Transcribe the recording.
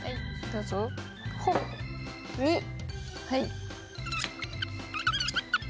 はい。